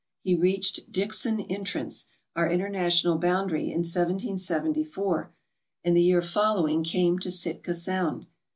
He reached Dixon Entrance, our international boundary, in 1774, and the year following came to Sitka Sound.